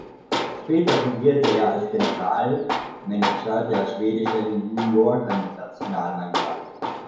Später fungierte er als General Manager der Schwedischen Juniorennationalmannschaft.